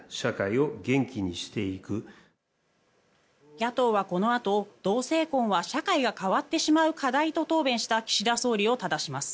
野党はこのあと、同性婚は社会が変わってしまう課題と答弁した岸田総理をただします。